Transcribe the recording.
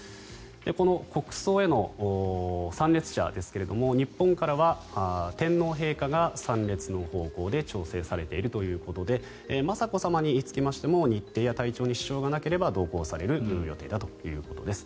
この国葬への参列者ですが日本からは天皇陛下が参列の方向で調整されているということで雅子さまにつきましても日程や体調に支障がなければ同行される予定だということです。